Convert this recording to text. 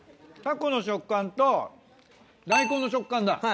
タコの食感と大根の食感だ。